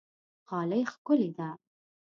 غالۍ ښکلې ده.